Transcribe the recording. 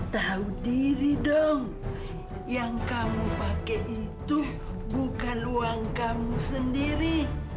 tahu diri dong yang kamu pakai itu bukan uang kamu sendiri